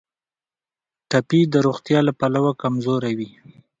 ټپي د روغتیا له پلوه کمزوری وي.